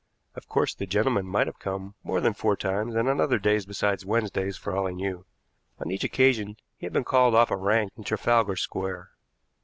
Of course, the gentleman might have come more than four times, and on other days besides Wednesdays for all he knew. On each occasion he had been called off a rank in Trafalgar Square.